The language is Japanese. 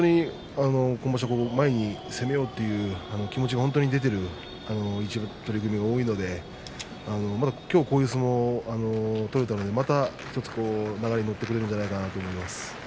今場所、前に攻めようという気持ちが本当に出ている取組が多いのでまたきょうこういう相撲を取れたので、また１つ流れに乗ってくれるんじゃないかなと思います。